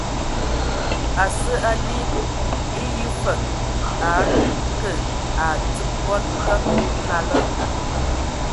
A sǝ ali, e yǝ fǝg a akǝ a adib bɔn kǝg nalá.